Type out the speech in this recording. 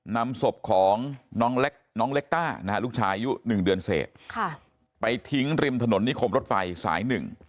นำศพของน้องเล็กต้าลูกชาย๑เดือนเศษไปทิ้งริมถนนิคมรถไฟสาย๑